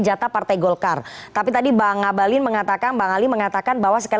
jata partai golkar tapi tadi bang abalin mengatakan bang ali mengatakan bahwa sekali